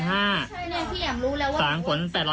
สารผล๘๕๐บาท